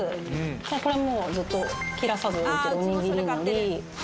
これもうずっと切らさず置いてるおにぎりのり